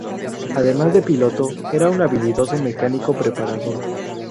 Además de piloto, era un habilidoso mecánico-preparador.